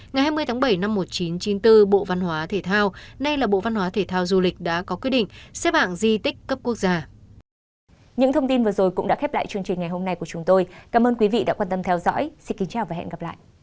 ngày hai mươi tháng bảy năm một nghìn chín trăm chín mươi bốn bộ văn hóa thể thao nay là bộ văn hóa thể thao du lịch đã có quyết định xếp hạng di tích cấp quốc gia